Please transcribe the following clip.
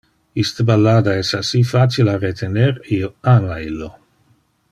Iste ballada es assi facile a retener, io ama illo!